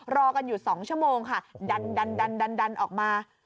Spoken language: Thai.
รอกันอยู่๒ชั่วโมงค่ะดันออกมา